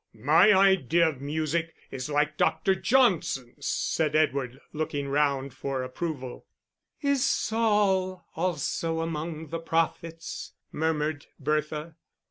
"My idea of music is like Dr. Johnson's," said Edward, looking round for approval. "Is Saul also among the prophets?" murmured Bertha.